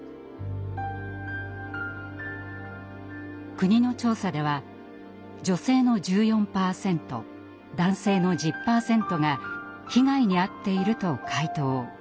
国の調査では女性の１４％男性の１０％が被害に遭っていると回答。